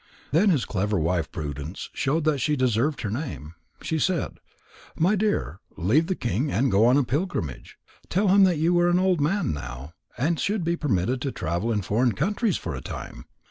Then his clever wife Prudence showed that she deserved her name. She said: "My dear, leave the king and go on a pilgrimage. Tell him that you are an old man now, and should be permitted to travel in foreign countries for a time.